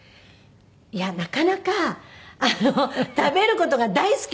いやなかなか食べる事が大好きな人の前で。